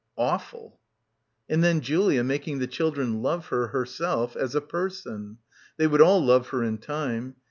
Awful ... And then Julia, making the children love her, herself, as a person. They would all love her in time.